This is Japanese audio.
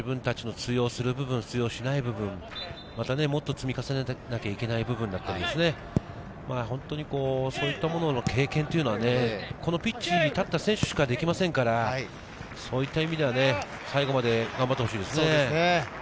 自分達の通用する部分、通用しない部分、もっと積み重ねていかなきゃいけない部分だったり、本当にそういったものの経験は、このピッチに立った選手しかできませんから、そういった意味では最後まで頑張ってほしいですね。